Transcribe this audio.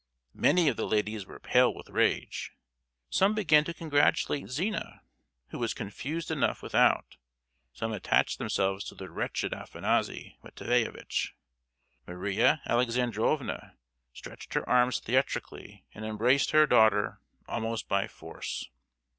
Many of the ladies were pale with rage. Some began to congratulate Zina, who was confused enough without; some attached themselves to the wretched Afanassy Matveyevitch. Maria Alexandrovna stretched her arms theatrically, and embraced her daughter—almost by force.